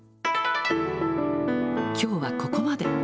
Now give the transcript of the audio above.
きょうはここまで。